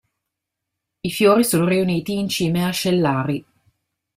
I fiori sono riuniti in cime ascellari.